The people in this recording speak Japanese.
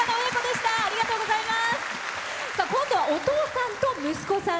今度はお父さんと息子さん。